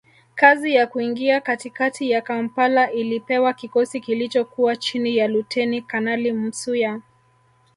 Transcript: Kazi ya kuingia katikati ya Kampala ilipewa kikosi kilichokuwa chini ya Luteni Kanali Msuya